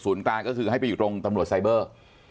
กลางก็คือให้ไปอยู่ตรงตำรวจไซเบอร์